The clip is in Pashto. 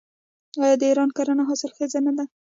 آیا د ایران کرنه حاصلخیزه نه ده؟